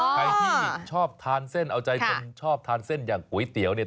ใครที่ชอบทานเส้นเอาใจคนชอบทานเส้นอย่างก๋วยเตี๋ยวเนี่ย